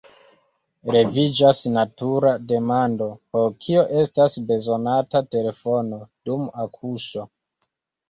Leviĝas natura demando: por kio estas bezonata telefono dum akuŝo?